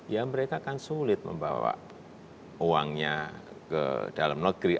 ya mereka akan sulit membawa uangnya ke dalam negeri